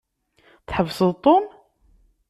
Tḥebseḍ Tom?